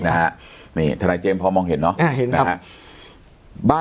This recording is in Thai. นะฮะนี่ตรงเราเจ็มพอมองเห็นน่ะอ่าเห็นครับบ้าน